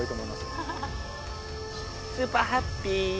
スーパーハッピー。